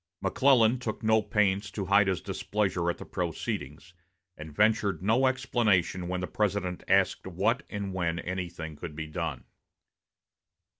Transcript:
McClellan took no pains to hide his displeasure at the proceedings, and ventured no explanation when the President asked what and when anything could be done.